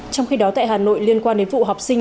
trong khi đó tại hà nội liên quan đến vụ học sinh